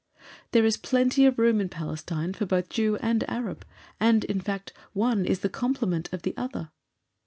There is plenty of room in Palestine for both Jew and Arab, and, in fact, one is the complement of the other.